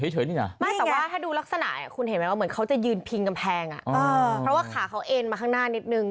จะยืนพิงกำแพงเพราะว่าขาเขาเอ็นมาข้างหน้านิดนึง